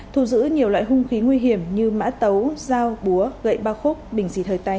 thu giữ nhiều loại hung khí nguy hiểm như mã tấu dao búa gậy bao khúc bình xịt hơi tay